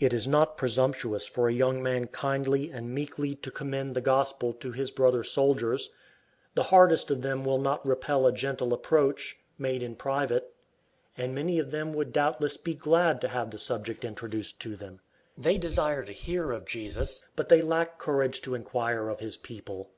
It is not presumptuous for a young man kindly and meekly to commend the gospel to his brother soldiers. The hardest of them will not repel a gentle approach, made in private. And many of them would doubtless be glad to have the subject introduced to them. They desire to hear of Jesus, but they lack courage to inquire of his people.